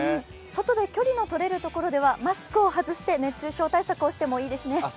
外で距離のとれるところではマスクを外して熱中症対策をしてもいいですね。